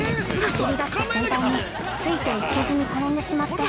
◆走りだした先輩についていけずに転んでしまって。